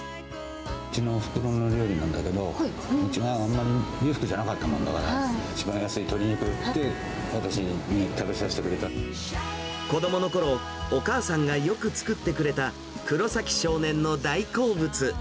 うちのおふくろの料理なんだけど、うちがあまり裕福じゃなかったもんだから、一番安い鶏肉で子どものころ、お母さんがよく作ってくれた黒崎少年の大好物。